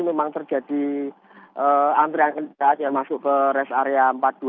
memang terjadi antrean kendaraan yang masuk ke rest area empat ribu dua ratus sembilan puluh delapan